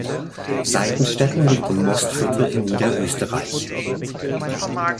Seitenstetten liegt im Mostviertel in Niederösterreich.